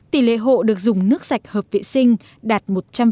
tỷ lệ hộ được dùng nước sạch hợp vệ sinh đạt một trăm linh